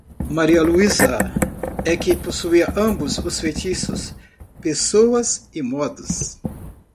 Maria Luísa é que possuía ambos os feitiços, pessoa e modos.